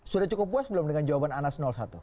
sudah cukup puas belum dengan jawaban anas satu